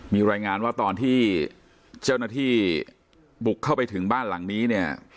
มีรายงานว่าตอนที่เจ้าหน้าที่บุกเข้าไปถึงบ้านหลังนี้เนี่ย